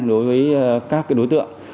đối với các đối tượng